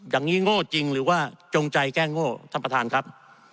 อย่างนี้โง่จริงหรือว่าจงใจแก้โง่ท่านประธานครับ